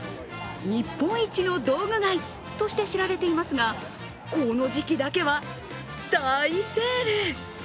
日本一の道具街として知られていますが、この時期だけは大セール。